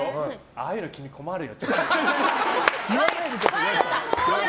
ああいうの君、困るよ。